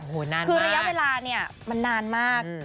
คือระยะเวลาเนี่ยมันนานมาก